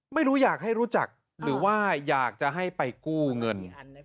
ไม่รู้อยากให้รู้จักหรือว่าอยากจะให้ไปกู้เงิน